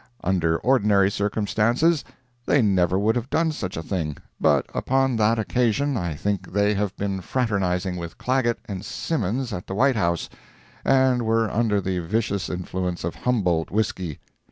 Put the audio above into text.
Under ordinary circumstances, they never would have done such a thing—but upon that occasion I think they had been fraternizing with Clagett and Simmons at the White House, and were under the vicious influence of Humboldt whisky.